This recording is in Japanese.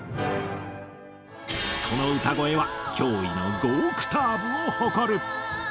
その歌声は驚異の５オクターブを誇る！